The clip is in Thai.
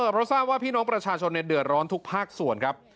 เพราะทราบว่าพี่น้องประชาชนเดือดร้อนทุกภาคส่วนครับ